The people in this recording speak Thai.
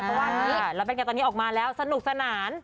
เพราะว่านี้เราเป็นกันตอนนี้ออกมาแล้วสนุกสนาน